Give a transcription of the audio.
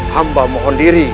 hamba mohon diri